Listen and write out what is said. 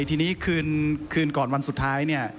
ทีนี้คืนก่อนวันสุดท้ายเนี่ย